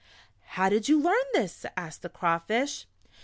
"How did you learn this?" asked the Crawfish.